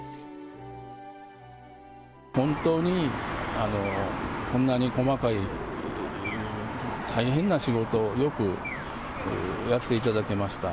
本当に、こんなに細かい大変な仕事を、よくやっていただけました。